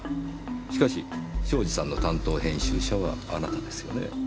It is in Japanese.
しかし庄司さんの担当編集者はあなたですよね。